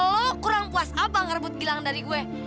lo kurang puas apa ngerebut gilang dari gue